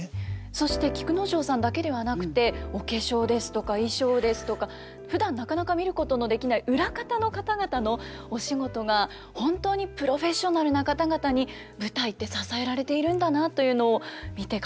そして菊之丞さんだけではなくてお化粧ですとか衣装ですとかふだんなかなか見ることのできない裏方の方々のお仕事が本当にプロフェッショナルな方々に舞台って支えられているんだなというのを見て感じましたよね。